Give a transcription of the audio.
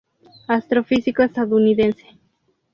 Astrofísico estadounidense.